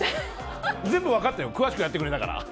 全部分かってる詳しくやってくれたから。